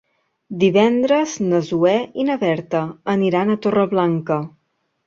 Divendres na Zoè i na Berta aniran a Torreblanca.